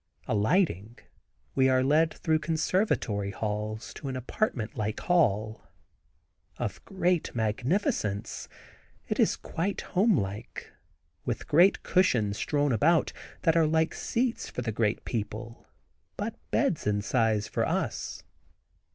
Alighting, we are led through conservatory halls to an apartment like hall. Of great magnificence, it is yet quite homelike, with great cushions strewn about that are seats for the great people but beds in size for us.